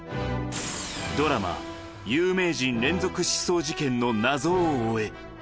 ドラマ、有名人連続失踪事件の謎を追え。